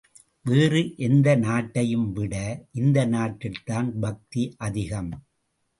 வேறு எந்த நாட்டையும்விட இந்த நாட்டில்தான் பக்தி அதிகம்.